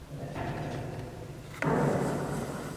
ولحم طير مما يشتهون